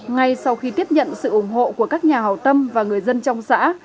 ngay sau khi tiếp nhận sự ủng hộ của các nhà hào tâm và người dân trong xã